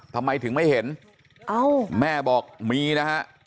ทำไมถึงไม่เห็นแม่บอกมีนะฮะ